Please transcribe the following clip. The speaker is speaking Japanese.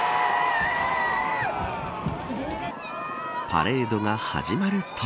パレードが始まると。